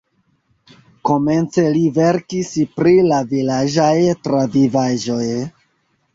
Komence li verkis pri la vilaĝaj travivaĵoj.